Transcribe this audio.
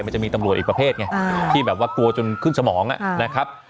มันจะมีตำรวจอีกประเภทไงที่แบบว่ากลัวจนขึ้นสมองนะครับ